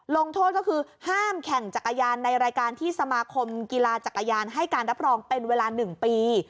ลงโทษก็คือห้ามแข่งจักรยานในรายการที่สมาคมกีฬาจักรยานให้การรับรองเป็นเวลา๑ปี